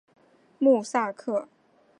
穆萨克。